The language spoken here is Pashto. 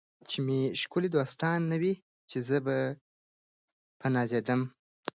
چي مي ښکلي دوستان نه وي چي به زه په نازېدمه